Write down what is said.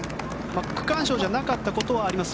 区間賞じゃなかったことはあります。